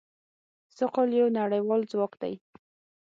ثقل یو نړیوال ځواک دی.